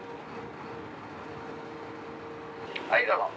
はいどうぞ！